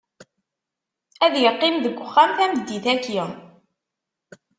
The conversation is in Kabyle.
Ad iqqim deg uxxam tameddit-aki.